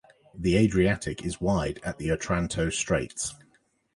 The Adriatic is wide at the Otranto Straits.